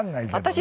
私